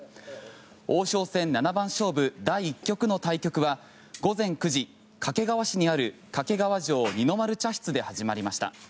王将戦七番勝負第１局の対局は午前９時、掛川市にある掛川城二の丸茶室で始まりました。